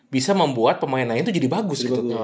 bisa membuat pemain lain itu jadi bagus gitu